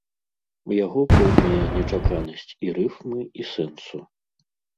У яго поўная нечаканасць і рыфмы, і сэнсу.